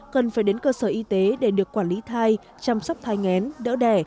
cần phải đến cơ sở y tế để được quản lý thai chăm sóc thai ngén đỡ đẻ